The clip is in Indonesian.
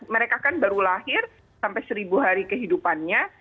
mereka kan baru lahir sampai seribu hari kehidupannya